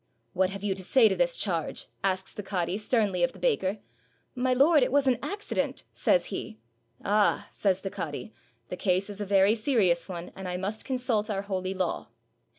"What have you to say to this charge?" asks the cadi sternly of the baker. "My lord, it was an accident," says he. "Ah!" sayfe the cadi, "the case is a very serious one, and I must consult our holy law."